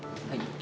はい。